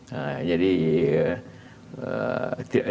menunggu itu di kebun kopi itu